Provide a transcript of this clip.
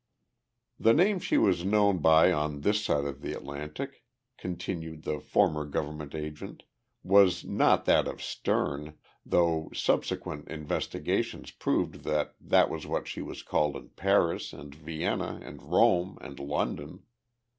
The name she was known by on this side of the Atlantic [continued the former government agent] was not that of Sterne, though subsequent investigations proved that that was what she was called in Paris and Vienna and Rome and London.